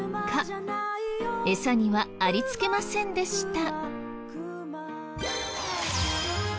エサにはありつけませんでした。